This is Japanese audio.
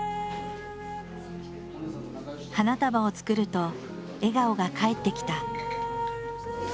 花束を作ると笑顔が返ってきた。